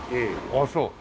ああそう。